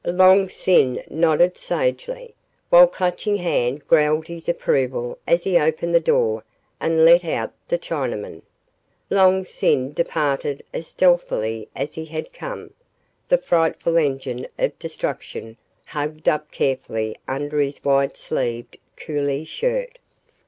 Long Sin nodded sagely, while Clutching Hand growled his approval as he opened the door and let out the Chinaman. Long Sin departed as stealthily as he had come, the frightful engine of destruction hugged up carefully under his wide sleeved coolie shirt.